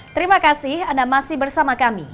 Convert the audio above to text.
terima kasih anda masih bersama kami